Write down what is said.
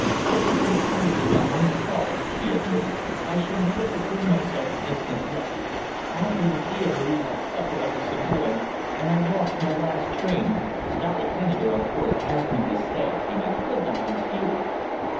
"It was entirely my own fault," she admitted. "I shall never forgive myself for this neglect. After the theatre we had supper at the Savoy, and I lost my last train. Dolly Henniker, of course, asked me to stay, and I could not refuse."